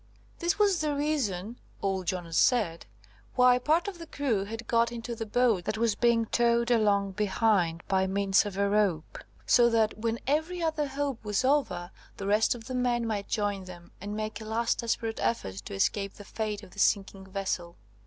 This was the reason (old Jonas said) why part of the crew had got into the boat that was being towed along behind by means of a rope, so that, when every other hope was over, the rest of the men might join them, and make a last desperate effort to escape the fate of the sinking vessel.